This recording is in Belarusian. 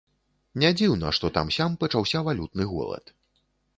Нядзіўна, што там-сям пачаўся валютны голад.